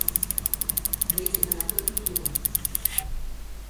你淨係諗到呢啲嘢